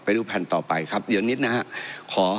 ดูแผ่นต่อไปครับเดี๋ยวนิดนะครับ